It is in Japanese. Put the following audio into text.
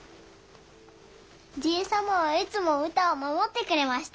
じいさまはいつもうたを守ってくれました。